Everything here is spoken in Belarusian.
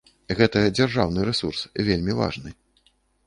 Гэта дзяржаўны рэсурс, вельмі важны.